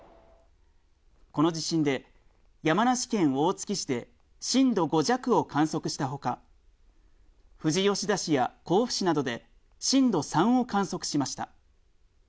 この地震で山梨県大月市で震度５弱を観測したほか、富士吉田市や甲府市などで震度３を観測しました。